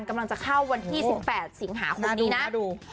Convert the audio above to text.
กำลังจะเข้าวันที่สิกแปดสิงหาคุกนี้น่ะน่าดู